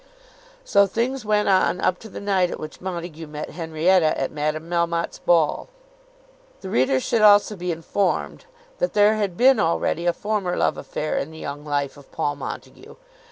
So things went on up to the night at which Montague met Henrietta at Madame Melmotte's ball. The reader should also be informed that there had been already a former love affair in the young life of Paul Montague.